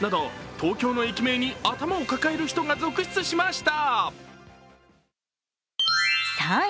東京の駅名に頭を抱える人が続出しました。